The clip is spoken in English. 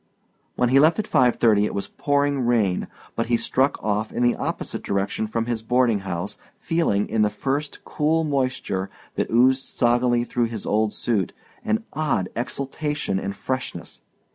When he left at five thirty it was pouring rain, but he struck off in the opposite direction from his boarding house, feeling, in the first cool moisture that oozed soggily through his old suit, an odd exultation and freshness.